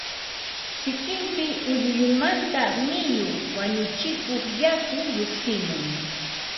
sikinpi ulluyunmanta miyu (wañuchikuq yaku) lluqsimun